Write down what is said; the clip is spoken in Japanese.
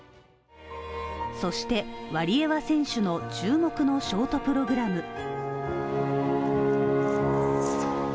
そして、ワリエワ選手の注目のショートプログラム。